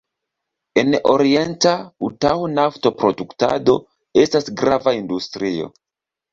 En orienta Utaho-naftoproduktado estas grava industrio.